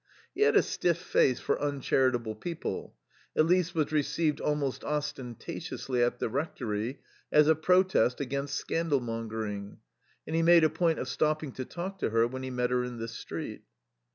He had a stiff face for uncharitable people; Elise was received almost ostentatiously at the rectory as a protest against scandal mongering; and he made a point of stopping to talk to her when he met her in the street.